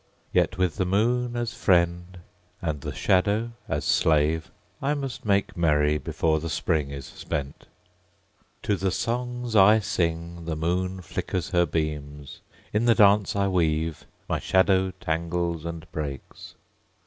Yet with the moon as friend and the shadow as slave I must make merry before the Spring is spent. To the songs I sing the moon flickers her beams; In the dance I weave my shadow tangles and breaks.